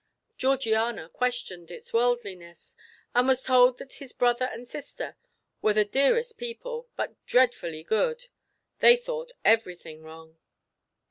Georgiana questioned its worldliness, and was told that his brother and sister were the dearest people, but dreadfully good; they thought everything wrong.